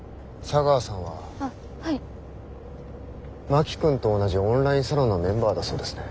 真木君と同じオンラインサロンのメンバーだそうですね。